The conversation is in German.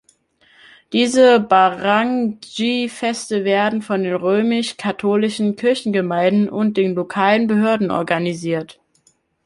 Diese Baranggay-Feste werden von den römisch-katholischen Kirchengemeinden und den lokalen Behörden organisiert.